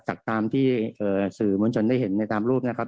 ตามที่สื่อมวลชนได้เห็นในตามรูปนะครับ